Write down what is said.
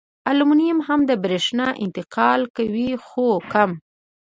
المونیم هم د برېښنا انتقال کوي خو کم.